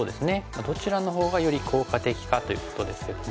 どちらのほうがより効果的かということですけども。